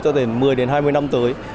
cho đến một mươi đến hai mươi năm tới